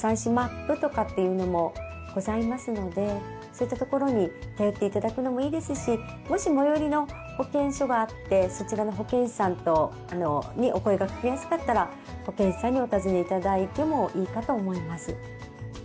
そういった所に頼って頂くのもいいですしもし最寄りの保健所があってそちらの保健師さんにお声かけやすかったら保健師さんにお尋ね頂いてもいいかと思います。